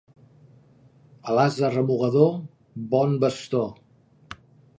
A l'ase remugador, bon bastó.